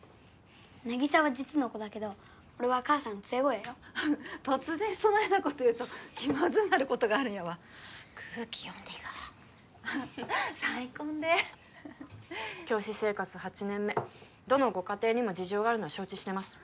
なぎさは実の子だけど俺は母さんの連れ子やよ突然そないなこと言うと気まずうなることがあるんやわ空気読んで言おう再婚で教師生活８年目どのご家庭にも事情があるのは承知してます